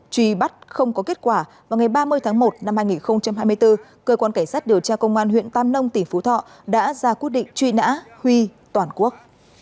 truy bắt không có kết quả vào ngày ba mươi tháng một năm hai nghìn hai mươi bốn cơ quan cảnh sát điều tra công an huyện tam nông tỉnh phú thọ đã ra quyết định truy nã huy toàn quốc